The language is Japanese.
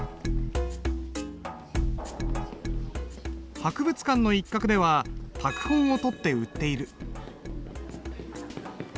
博物館の一角では拓本をとって売っている。